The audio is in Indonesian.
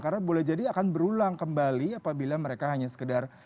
karena boleh jadi akan berulang kembali apabila mereka hanya sekedar